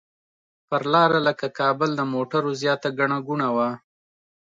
پر لاره لکه کابل د موټرو زیاته ګڼه ګوڼه وه.